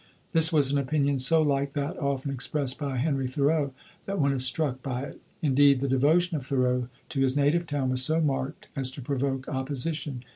This was an opinion so like that often expressed by Henry Thoreau, that one is struck by it. Indeed, the devotion of Thoreau to his native town was so marked as to provoke opposition.